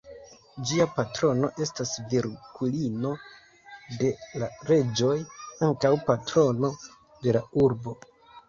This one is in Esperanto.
Ĝia patrono estas Virgulino de la Reĝoj, ankaŭ patrono de la urbo.